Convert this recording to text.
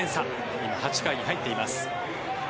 今、８回に入っています。